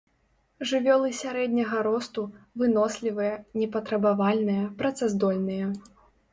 Жывёлы сярэдняга росту, вынослівыя, непатрабавальныя, працаздольныя.